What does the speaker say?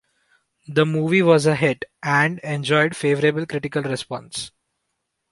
The movie was a hit and enjoyed favorable critical response.